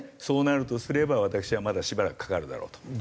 そうなるとすれば私はまだしばらくかかるだろうと。